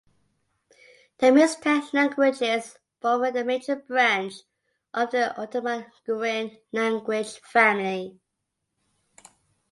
The Mixtec languages form a major branch of the Otomanguean language family.